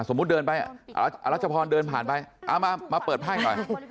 สมมุติเดินไปรัชพรเดินผ่านไปเอามามาเปิดไพ่ก่อน